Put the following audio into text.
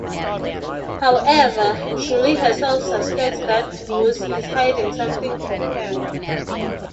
However, Julie herself suspects that Bruce is hiding something from her.